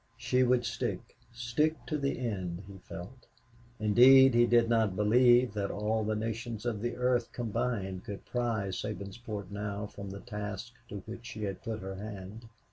She would stick stick to the end, he felt. Indeed, he did not believe that all the nations of the earth combined could pry Sabinsport now from the task to which she had put her hand.